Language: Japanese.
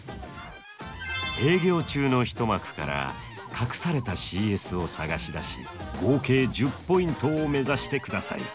営業中の一幕から隠されたＣＳを探し出し合計１０ポイントを目指してください。